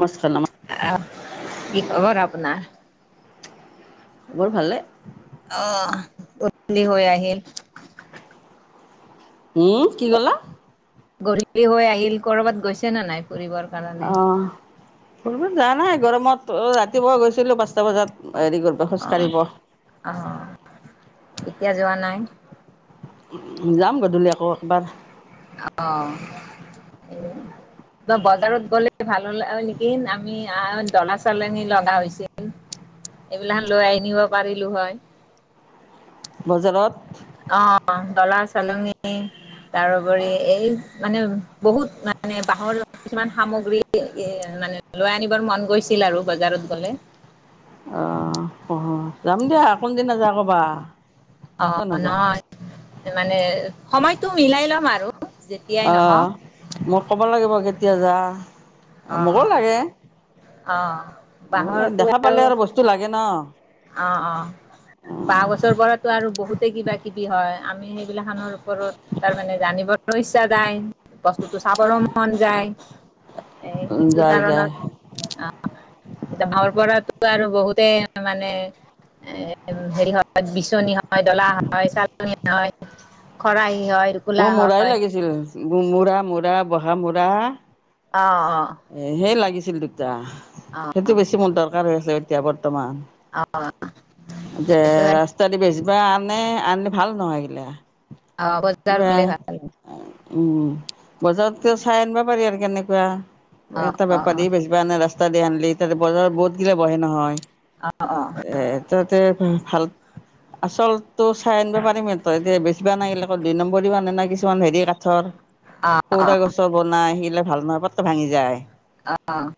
নমস্কাৰ নমস্কাৰ আহ, কি খবৰ আপোনাৰ? মোৰ ভালে। অ', গধুলি হৈ আহিল উম, কি ক'লা? গধুলি হৈ আহিল। কৰবাত গৈছে নে নাই, ফুৰিবৰ কাৰণে? অঁ ফুৰিব যা নাই গৰমত অ', ৰাতিপুৱা গৈছিলোঁ পাঁচটা বজাত। হেৰি কৰবা অ খোজকাঢ়িব। অ', এতিয়া যোৱা নাই। যাম গধূলি আকৌ একবাৰ। অ। বজাৰত গ'লে ভাল হ'ল নেকি, আমি ডলা চালনি লগা হৈছে। এইবিলাক লৈ আনিব পাৰিলো হয়। বজাৰত। অ, দলা চালনি। তাৰোপৰি এই, মানে বহুত মানে বাঁহৰ লগত কিছুমান সামগ্ৰী এ মানে লৈ আনিবৰ মন গৈছিল আৰু বজাৰত গ'লে। আহ, অ, যাম দিয়া কোনদিনা যা ক'বা। অ, কিয় নাযাম নহয় মানে সময়তটো মিলাই লম আৰু। যেতিয়াই আহ নহওক মোক ক'ব লাগিব কেতিয়া যা অ মোকো অ লাগে। অ। অ' ল, দেখা পালে আৰু বস্তু লাগে ন। অ', অ', বাঁহ বছৰ পৰাতো আৰু বহুতে কিবা কিবি হয়, আমি সেইবিলাখনৰ ওপৰত তাৰমানে জানিবলৈ ইচ্ছা যায়। বস্তুটো চাবৰো মন যায়। এ, সেইটো যায় যায় কাৰণত অ, এ, মৰ পৰাতো আৰু বহুতে মানে? এ, হেৰি হয়, বিচনী হয়, ডলা হয়, চালন হয়, খৰাহি হয় টোপোলা মোৰ মূ়ৰাই হয় লাগিছিল মূৰা-মূৰা বহা মূৰা। অ অ এ, সেই লাগিছিল দুটা সেইটো অ বেছি মোৰ দৰকাৰ হৈ আছে, এতিয়া বৰ বৰ্তমান অ যে সেইটো ৰাস্তা দি বেছবা আন মানে আন ভাল নহয় এইগিলা। অ, বজাৰ কিবা গেলে ভাল। উম, বজাৰতকেও চাই আনবা পাৰি আৰ কেনেকুৱা? অ', এটা অ', বেপাৰী অ', বেচবা আনে ৰাস্তা দি আনিলি এতিয়াতো বজাৰত বহুতগিলা বহে নহয়। অ', অ', এ, তহতে ভাল আচলতো চাই আনিব পাৰিমে তই এতিয়া বেছিবা অনাগিলা অ, দুই নম্বৰিও আনে না কিছুমান হেৰি কাঠৰ অ', সৌৰা গছৰ বনাই সিগলা ভাল নহয় পতকে ভাঙি যায়। অ',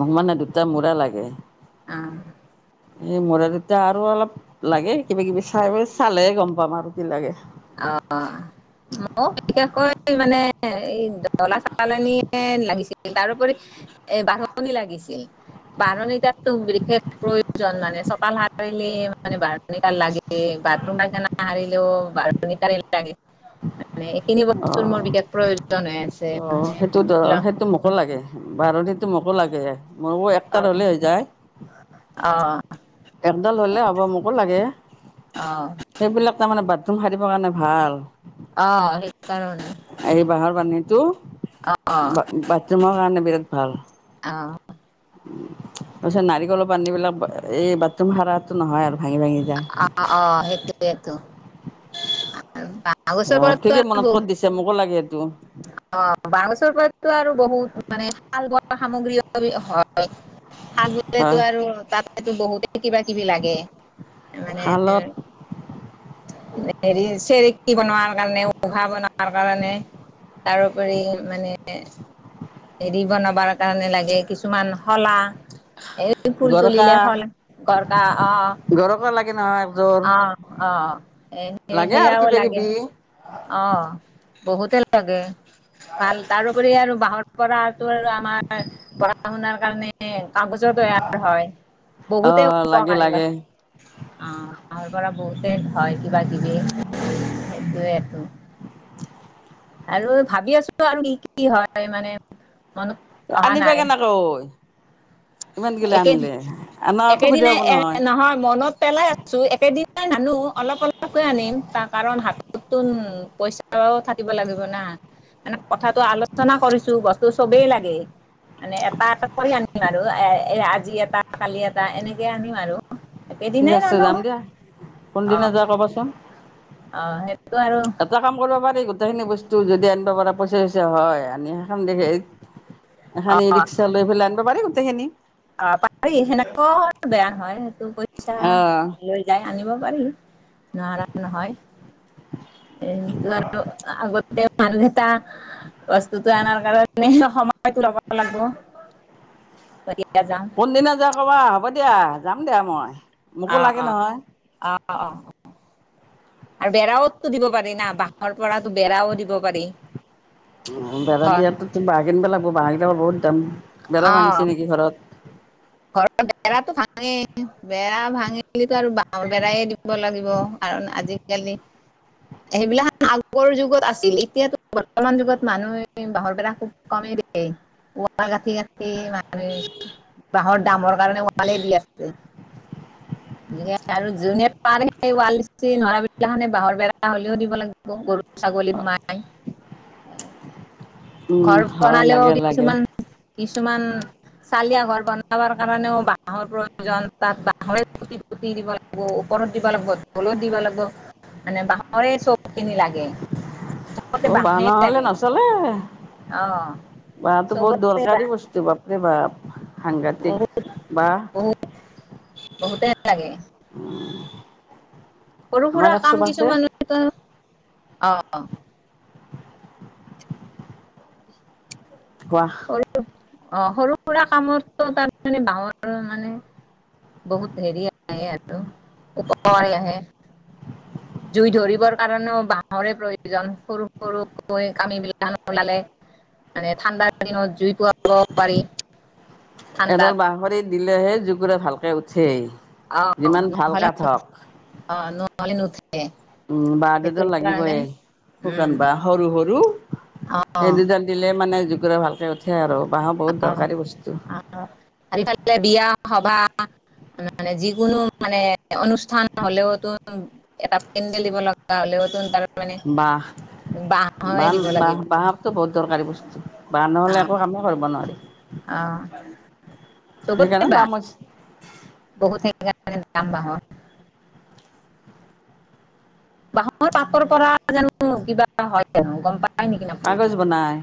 মোক মানে দুটা মূৰা লাগে। আহ এই মোৰ আৰু এতিয়া আৰু অলপ লাগে কিবা-কিবি চাই বই চালেহে গম পাম আৰু কি লাগে। অ', মোক বিশেষকৈ মানে এই দলা চালনীয়ে লাগিছিল তাৰোপৰি এই বাঢ়নি লাগিছিল বাৰনী টাততো বিশেষ প্ৰয়োজন মানে চতাল সাৰিলে মানে বাঢ়নি দাল লাগেই [unintelligible] মানে এইখিনি অ বস্তুৰ মোৰ বিশেষ প্ৰয়োজন হৈ আছে অ মানে ল' সিটো মোকো লাগে মোৰো একটাৰ হ'লে অ', হৈ যায়। অ', একডাল হলে হ'ব মোকো লাগে অ', সেইবিলাক তাৰমানে বাদ উম সাৰীবৰ কাৰণে ভাল অ', সেই কাৰণে। টো বা বাথৰুমৰ কাৰণে বিৰাট ভাল অ', তাৰ পিছত নাৰিকলৰ বাঢ়নী বিলাক এই বাথৰুম সাৰাটো নহয় আৰু। ভাঙি ভাঙি যায় আ অ সেইটোৱেটো অ বাহঁগছৰ ঠিকে পৰাটো মনত ব অ', ক'ত দিছে মোকো লাগে এইটো বাহঁ গছৰ পৰাটো আৰু বহুত মানে শাল বন [unintelligible] হয় এইটো বহুতে কিবা কিবি লাগে মানে শালত হেৰি চেৰকী বনোৱাৰ কাৰণেও উহা বনোৱাৰ কাৰণে তাৰোপৰি মানে হেৰি বনাবাৰ কাৰণে লাগে কিছুমান শলা এই ফুল গৰকা তুলিলে শল গৰকা অহ গৰকা লাগে নহয় একযোৰ অ -অ এ লাগে আৰু সেয়াও কিবা লাগে কিবি অ বহুতে লাগে বাল তাৰোপৰি আৰু বাঁহৰৰ পৰাটো আৰু আমাৰ পঢ়া শুনাৰ কাৰণে কাগজ তৈয়াৰ হয় অ বহুতে লাগে উপকাৰী লাগে অ তাৰ পৰা বহুতে হয় কিবা কিবি। দুয়েটো। [inaudible] আৰু ভাবি আছো আৰু কি কি হয় মানে? মনত অহা আনিবা নাই। কেনেকৈ ইমান গিলা একেদি আনিলে আনা অসুবিধা একেদিনাই হ'ব এ নহয় মনত পেলাই আছো একেদি একেদিনাই নানো অলপ অলপকৈ আনিম তাৰ কাৰণ হাততটোন পইচাও থাকিব লাগিব ন'। না মানে কথাটো আলোচনা কৰিছো বস্তু চবেই লাগে মানে এটা এটা কৰি আনিম আৰু এ আজি এটা কালি এটা এনেকে আনিম আৰু। ঠিক একেইদিনাই নানো আছে যাম নহয় দিয়া কোনদিনা অ', যোৱা ক'বাচোন অ',। সেইটো আৰু এটা কাম কৰবা পাৰি গোটেই খিনি বস্তু তোৰ যদি আনিব পাৰা পইচা চইচা হয় আনি সেখেম দেখি এইক এখান অ ই ৰিক্সা লৈ পেলাই আনবা পাৰি গতেই খিনি অ' পাৰি সেনেকুৱা বেয়া নহয় সেইটো পইচা অ লৈ যায় আনিব পাৰি নোৱাৰা নহয়। [unintelligible] বস্তুটো আনাৰ কাৰণে সময়টো ল'ব লাগব। কোনদিনা যোৱা ক'বা হ'ব দিয়া যাম দিয়া ময় আ অ -আ অ আৰু বেৰাও দিব পাৰি না বাঁহৰ পৰাটো বেৰাও দিব পাৰি। হুম হুম বেৰা হয়, দিয়াটোত বাঁহ কিনিবা লাগব বা। বহুত দাম বেৰা অ', ভাংছে নেকি ঘৰত। ঘৰৰ বেৰাটো ভাঙে বেৰা ভাঙিলিটো আৰু বাহঁ বেৰায়ে দিব লাগিব কাৰণ আজিকালি সেইবিলাক আগৰ যুগত আছিল এতিয়াটো বৰ্তমান যুগত মানুহে বাঁহৰ বেৰা খুব কমেই [unintelligible] বাঁহৰ দামৰ কাৰণে ৱালে দি আছে। যিহে আৰু যোনে পাৰে সেই ৱাল দিছি নৰা বিলাখানে বাঁহৰ বেৰা হ'লেও দিব লাগিব গৰু ছাগলী সোমায় উম, ঘৰ হয় বনালেও লাগে লাগে কিছুমান কিছুমান চালিয়া ঘৰ বনাবাৰ কাৰণেও বাঁহৰ প্ৰয়োজন তাত বাঁহৰে খুটি পুতি দিব লাগব। ওপৰত দিবা লাগব তলত দিবা লাগব মানে বাঁহৰে চবখিনি লাগে চবতে অ' বাঁহ বাঁহে লাগে। অ। বা তো বহুত চবতে দৰকাৰী বাঁহ বস্তু বাপৰে বাপ। বহুত সাংঘাতিক বা, বহুত বহুতে লাগে। উম। সৰু সুৰা কাম কিছুমানৰ তেন অ, ৱাহ! সৰু অ', সৰু সুৰা কামতো তাৰ মানে বাওঁ আৰু মানে। বহুত হেৰি আহে আৰু উপ আহে। জুই ধৰিবৰ কাৰণেও বাঁহৰে প্ৰয়োজন সৰু সৰুকৈ কামি বিলাক ওলালে মানে ঠাণ্ডা দিনত জুই টুৱা ঠাণ্ডাত এডাল বাহৰি দিলেহে জোকোৰে ভালকে উঠেই। অ', যিমান ভাল নহলে কাঠ নু হওক অ', নহলে নু। উম। বাহ দুডাল লাগিব। শুকান উম বাঁ সৰু সৰু। অ সেই দুজন দিলে মানে জু ভালকে উঠে আৰু বাঁহৰ বহুত অ দৰকাৰী বস্তু। সাত। মানে যিকোনো মানে অনুষ্ঠান হলেও টো এটা পেডেল দিব লগা হলেওতু তাৰ মানে বাহ বাঁহৰে বাঁন দিব লাগিব বাঁহত টো বহুত দৰকাৰী বস্তু বাঁহ অ নহ'লে একো কামেই কৰিব নোৱাৰি। অ চবতে সেইকাৰণে বাহ দাম হৈছে বহুত বাঁহত বাঁহৰ পাতৰ পৰা জানো কিবা হয় জানো গম পাই? কাগজ বনাই।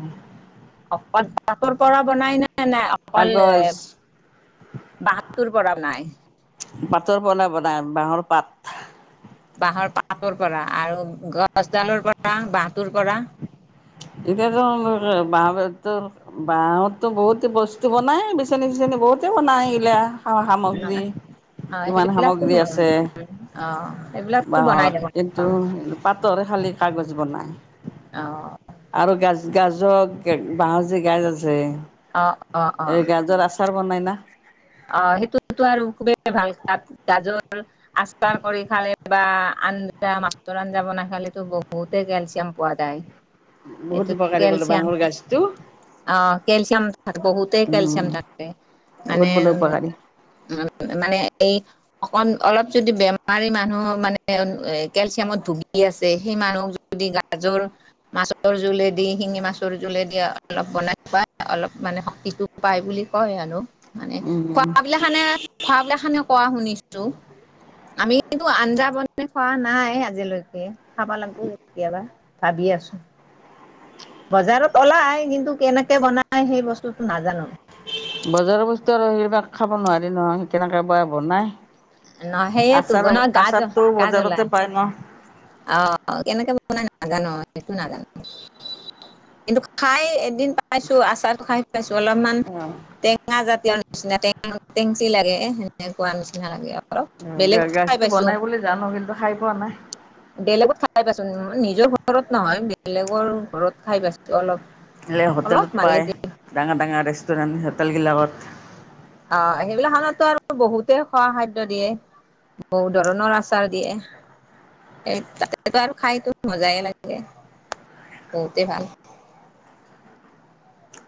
অ', বাঁহৰ পৰা বনাই ন। নাই অকল কাগজ বাহটোৰ পৰা বনাই। পাতৰ পৰা বনাই বাঁহৰ পাত বাঁহৰ পাতৰ পৰা আৰু গছডালৰ পৰা বাঁহটোৰ পৰা এতিয়াতো বাঁহো -বাঁহতো বহুত বস্তু বনাই বিচনী চিচনি বহুতে বনাই এগিলা সা সামগ্ৰী। অ কিমান সেইবিলাকতো সামগ্ৰী আছে। অ সেইবিলাকতো বনাই বাঁহৰ দিব কিন্তু পাওঁ পাটৰে। খালি কাগজ বনায়। অ' আৰু গাজ গাজৰ বাঁহৰ যে গাজ আছে। অ অ অ এই গাজঁ ৰ আচাৰ বনাই না। অ, সেইটো আৰু খুবেই ভাল তাত গাজৰ আচাৰ কৰি খালে বা আঞ্জা মাছৰ আঞ্জা বনাই খালো বহুতে কেলচিয়াম পোৱা যায়। বহুত এইটো উপকাৰী বোলে কেলচিয়াম। বাঁহৰ গাজটো আহ, কেলচিয়াম থাকে। বহুতেই উম, কেলচিয়াম থাকে বহুত মানে। বোলে উপকাৰী উম, মানে এই অকণ অলপ যদি বেমাৰী মানুহ মানে কেলচিয়ামত ভুগি আছে সেই মানুহক জনক গাজৰ মাছৰ দি মাছৰ জোলেদি শিঙি মাছৰ জোলেদি অলপ বনাই খোৱা অলপ মানে শক্তিটো পায় বুলি কয় মানুহ মানে উম, খোৱাবিলা খানে খোৱাবলা খানে খোৱা শুনিছো। আমিতো আঞ্জা বনাই খোৱা নাই আজিলৈকে। খাবা লাগব কেতিয়াবা ভাবি আছো। বজাৰত ওলাই, কিন্তু কেনেকে বনাই সেই বস্তুটো নাজানো। বজাৰৰ বস্তু আৰু সেইবিলাক খাব নোৱাৰি নহয়। কেনেকে বা বনাই ন সেয়েতো আচাৰ- ন গাজ আচাৰটো গাজলাই বজাৰতে পাই ন। অ', কেনেকেনো নাজানো সেইটো নাজানো। [unintelligible] কিন্তু খাই এদ এদিন পাইছো আচাৰ খাই পাইছো অলপমান টেঙা জাতীয় নিচিনা টেঙা, টেংচি লাগে। সেনেকুৱা নিচিনা লাগে অলপ। গা বেলেগত খাই গাজটো পাইছো বনাই বুলি জানো, কিন্তু খাই পোৱা নাই। বেলেগত খাই পাইছো, মানে নিজৰ ঘৰত নহয় বেলেগৰ ঘৰত খাই পাইছো অলপ। অলপ হোটেলত মানে পায়, ডাঙৰ ডাঙৰ ৰেষ্টুৰেণ্ট হোটেল বিলাকত। অ সেইবিলাক খনত টো আৰু বহুতেই খোৱা খাদ্য দিয়ে। বহুত ধৰণৰ আচাৰ দিয়ে। এ তাততো আৰু খাইতো মজাই লাগে বহুতে ভাল।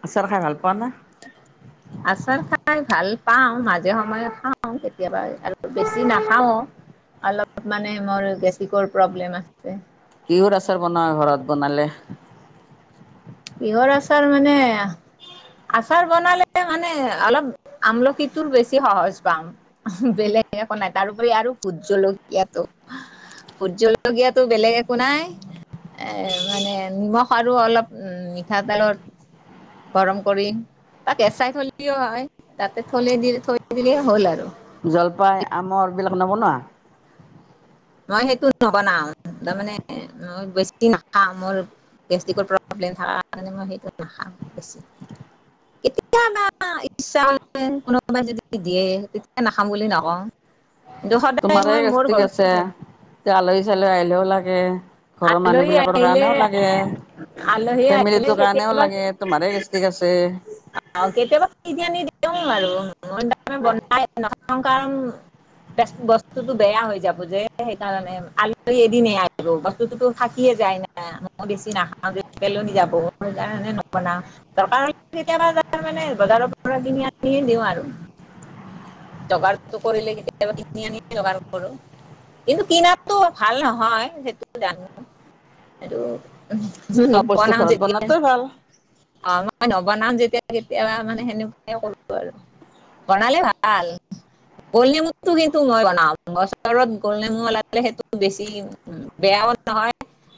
আচাৰ খাই ভাল পাওঁ। আচাৰ খাই ভাল পাওঁ, মাজে সময়ে খাওঁ কেতিয়াবা আৰু বেছি নাখাওঁ। অলপ মানে মোৰ গেষ্ট্ৰিকৰ প্ৰব্লেম আছে। কিহৰ আচাৰ বনাও, ঘৰত বনালে? কিহৰ আচাৰ মানে, আচাৰ বনালে মানে অলপ আমলখিটোৰ বেছি সহজ পাম, বেলেগ একো নাই তাৰপৰি আৰু ভূট জলকীয়াটো ভূট জলকীয়াটো বেলেগ একো নাই এ মানে নিমখ আৰু অলপ উম মিঠাতেলৰ গৰম কৰি বা কেঁচাই থলে দিও হয়, তাতে থলে দিল থৈ দিলে হ'ল আৰু। জলপাই আমৰ এইবিলাক নবনোৱা। মই সেইটো নবনাওঁ, তাৰমানে মই বেছি নাখাওঁ মোৰ গেষ্ট্ৰিকৰ প্ৰব্লেম থাকা কাৰণে মই সেইটো নাখাওঁ বেছি। কেতিয়া বা ইচ্ছা গ'লে, কোনোবাই যদি দিয়ে তেতিয়া নাখাম বুলি নকওঁ। [unintelligible] সদায় মই মোৰ ঘৰত, কেতিয়াবা আলহী চালহী আহিলেও লাগে। ঘৰৰ মানুহ আলহী বিলাকৰ আহিলে, কাৰণেও লাগে। আলহী আহিলে ফেমিলিটোৰ কাৰণেও কেতিয়াবা লাগে তোমাৰে গেষ্টিক আছে। কেতিয়াবা [inaudible] নি, আৰু বনাই নাথও কাৰণ, বেছ বস্তুতো বেয়া হৈ যাব যে সেইকাৰণে আলহী এদিন হে আহিব। বস্তুটোতো থাকিয়ে যায় না। মইয়ো বেছি নাখাওঁ যে পেলনি যাব সেই কাৰণে নবনাওঁ দৰকাৰ হ'লে কেতিয়াবা তাৰ মানে বজাৰৰ পৰা কিনি আনিয়ে দিওঁ আৰু। জগাৰটো কৰিলে কেতিয়াবা কিনি আনি জগাৰ কৰোঁ। কিন্তু, কিনাটো ভাল নহয় সেইটো জানো। এইটো চব বস্তু নবনাওঁ ঘৰত যেতিয়া, বনোৱাটোৱে ভাল। অ' মই নবনাওঁ যেতিয়া। কেতিয়াবা মানে সেনেকুৱাই কৰোঁ আৰু বনালে ভাল গোল নেমুটোৰ কিন্তু মই বনাওঁ। বছৰত গোল নেমু ওলাই পেলাই সেইটো বেছি বেয়াও নহয়।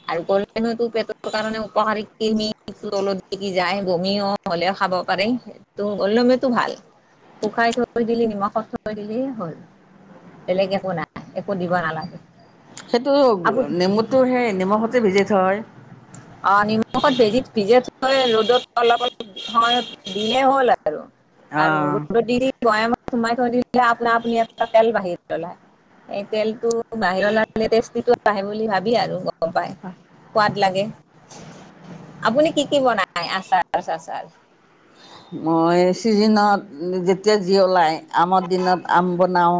আৰু গোল নেমুতো পেটৰ কাৰণে উপকাৰী, কৃমি তলত দিগী যায় বমিয়ো হ'লে খা ব পাৰে, এইটো গোল নেমুতো ভাল। শুকাই থৈ দিলি নিমখত থৈ দিলেই হ'ল, বেলেগ একো নাই একো দিব নালাগে। সেইটো আপুনি নেমুতো সেই নিমখতে ভিজাই থোৱা হয়। অ' নিমখত ভেজি-ভিজাই থৈ ৰ'দত অলপ অলপ সময়ত দিলে হ'ল আৰু। আৰু অঁ ৰ'দত দি দি বোয়ামত সোমাই থৈ দিলে আপোনা আপুনি ইয়াৰ পৰা [unintelligible] এই তেলটো বাহিৰত ওলালে টেষ্টিটো বাঢ়ে বুলি ভাবি আৰু গম পাই, সোৱাদ লাগে। আপুনি কি কি বনাই আচাৰ-চাচাৰ? মই ছিজনত যেতিয়া যি ওলাই। আমৰ দিনত আম বনাও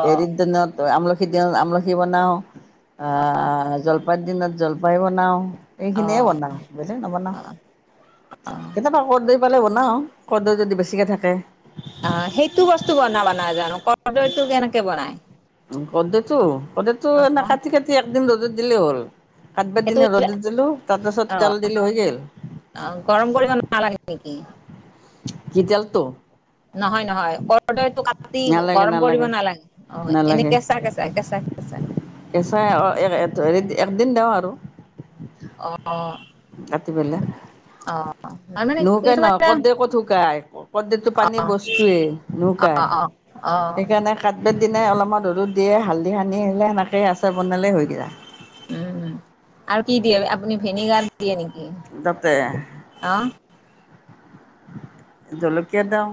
অ হেৰিৰ দিনত আম সিদিনত আমলখি বনাওঁ জলপাই দিনত জলপাই বনাওঁ অ এইখিনিয়ে বনাও বেলেগ নবনাও কেতিয়াবা ক'ৰ দৈয় পালে বনাও কৰদৈয় যদি বেছিকে থাকে অ' সেইটো বস্তু বনাবা নাজানো কৰদৈয়টো কেনেকে বনাই উ কৰদৈয়টো কৰদৈয়টো অ এনে কাটি কাটি একদিন ৰ'দত দিলেই হ'ল কাটবাৰ সেইটো দিনা ৰ'দত দিলো তাৰপাছত অ তেল দিলো হৈ গেল [inaudible] গৰম কৰিব [unintelligible] কি তেলটো নহয় নহয় কৰদৈয়টো কাটি গৰম কৰিব নালাগে অ' এনেই নালাগে কেঁচা কেঁচা কেঁচা কে যাই [unintelligible] একদিন দ আৰু অ' অ' ৰাতি বেলে [inaudible] ন নুকাই নহয় কৰদৈয় ক'ত শুকায় কৰদৈয়টো অ পানী বস্তুৱেই অ নুকায় অ অ সেইকাৰণে কাটবাহ দিনায় অলপমান ৰদ দিয়ে হালধি সানি আহিলে সেনেকে আচাৰ বনালেই হৈ গেল উম আৰু কি দিয়ে আপুনি ভেনেগাৰ দিয়ে নেকি অহ জলকিয়াৰ দাম